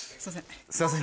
すいません。